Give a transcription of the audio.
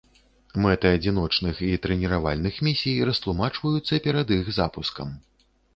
Мэты адзіночных і трэніравальных місій растлумачваюцца перад іх запускам.